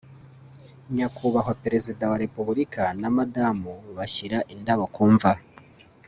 nyakubahwa perezida wa repubulika na madamu bashyira indabo ku mva